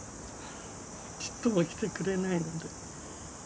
ちっとも来てくれないので。